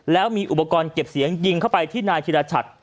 แล้วมีอุปกรณ์เก็บเสียงยิงเข้าไปที่นายธิรชัด